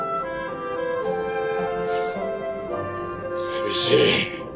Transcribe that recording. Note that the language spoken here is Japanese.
寂しい。